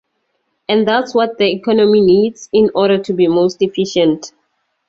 And that's what the economy needs in order to be most efficient.